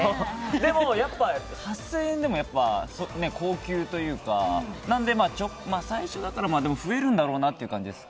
でも、やっぱり８０００円でも高級というかなので、最初だから増えるんだろうなという感じです